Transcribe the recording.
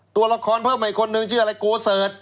ตัวละครเพิ่มอีกคนนึงชื่ออะไรโกเสิร์ช